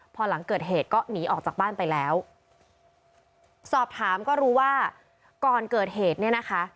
พอหลังเกิดเหตุก็หนีออกจากบ้านไปแล้วสอบถามก็รู้ว่าก่อนเกิดเหตุเนี่ยนะคะ